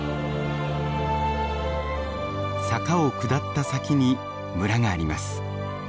坂を下った先に村があります。